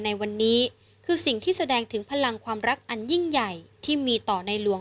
ในวันนี้คือสิ่งที่แสดงถึงพลังความรักอันยิ่งใหญ่ที่มีต่อในหลวง